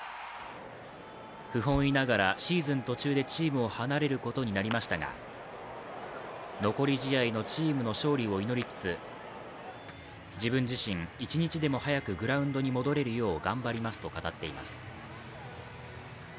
不本意ながらシーズン途中でチームを離れることになりましたが残り試合のチームの勝利を祈りつつ、自分自身、一日でも早くグラウンドに戻れるよう頑張りますと語っています。